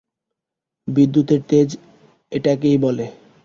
বিদ্যুতের তেজ এটাকেই বলে।